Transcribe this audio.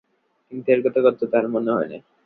কিন্তু এত কথাও তাঁহার মনে হয় নাই।